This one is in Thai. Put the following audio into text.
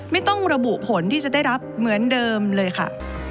ไม่ต้องระบุผลที่จะได้รับเหมือนเดิมเลยค่ะ